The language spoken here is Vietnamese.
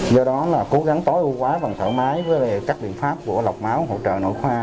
do đó là cố gắng tối ưu quá bằng thoải mái với các biện pháp của lọc máu hỗ trợ nội khoa